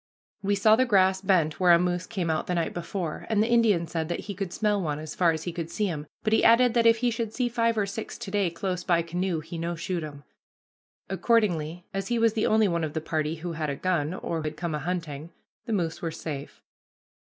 We saw the grass bent where a moose came out the night before, and the Indian said that he could smell one as far as he could see him, but he added that if he should see five or six to day close by canoe he no shoot 'em. Accordingly, as he was the only one of the party who had a gun, or had come a hunting, the moose were safe.